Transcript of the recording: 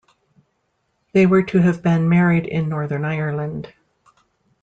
They were to have been married in Northern Ireland.